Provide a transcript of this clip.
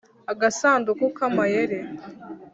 agasanduku k'amayeri